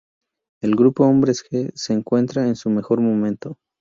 El grupo Hombres G se encuentra en su mejor momento.